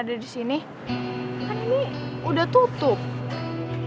kan ini udah tutup